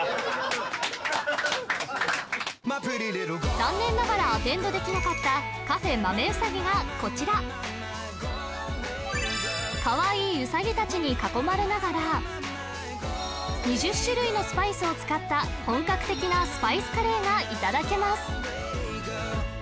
残念ながらアテンドできなかったＣａｆｅ豆うさぎがこちらかわいいうさぎ達に囲まれながら２０種類のスパイスを使った本格的なスパイスカレーがいただけます